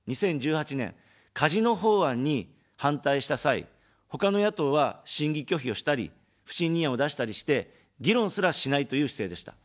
２０１８年、カジノ法案に反対した際、ほかの野党は審議拒否をしたり、不信任案を出したりして、議論すらしないという姿勢でした。